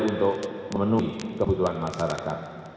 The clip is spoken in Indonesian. untuk memenuhi kebutuhan masyarakat